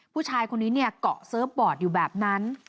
ผู้ชายคนนี้เนี่ยเกาะเซิร์ฟบอร์ดอยู่แบบนั้น